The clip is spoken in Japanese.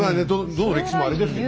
どの歴史もあれですけど。